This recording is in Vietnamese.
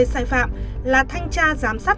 sai phạm là thanh tra giám sát